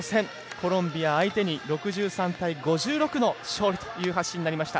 コロンビア相手に６３対５６の勝利という発信になりました。